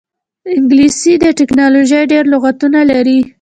انګلیسي د ټیکنالوژۍ ډېری لغتونه لري